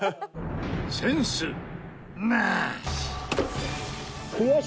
センスなし。